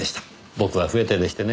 僕は不得手でしてね。